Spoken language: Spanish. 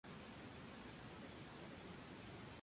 Lucen brillantes colores rosas y amarillos.